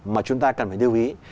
mà chúng ta cần phải lưu ý